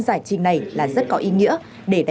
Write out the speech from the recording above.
giải trình này là rất có ý nghĩa